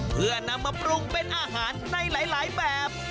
เพื่อนำมาปรุงเป็นอาหารในหลายแบบ